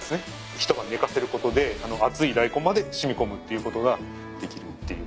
一晩寝かせることで厚いダイコンまで染み込むっていうことができるっていう。